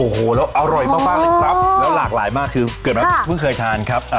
พี่ป๊อปเป็นอย่างไรหรือปะครับ